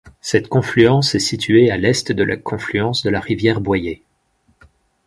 Cette confluence est située à l'est de la confluence de la rivière Boyer.